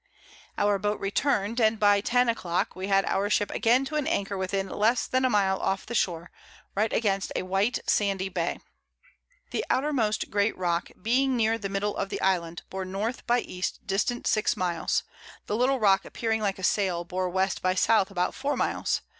Our Boat return'd, and by 10 a Clock we had our Ship again to an Anchor within less than a Mile off the Shore, right against a white sandy Bay. The outermost great Rock being near the Middle of the Island, bore N. by E. distant 6 Miles; the little Rock appearing like a Sail bore W. by S. about 4 Miles.